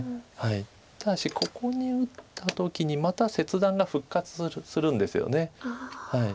ただしここに打った時にまた切断が復活するんですよね。